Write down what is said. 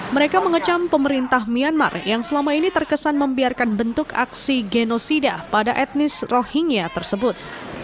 mereka mengecam pemerintah myanmar yang selama ini terkesan membiarkan bentuk aksi genosida pada etnis rohingya tersebut